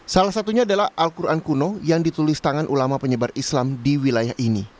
salah satunya adalah al quran kuno yang ditulis tangan ulama penyebar islam di wilayah ini